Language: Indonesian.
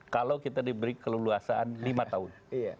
kalau kita diberi keleluasaan lima tahun